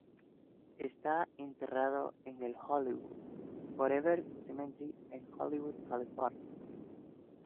Esta enterrado en el Hollywood Forever Cemetery en Hollywood, California.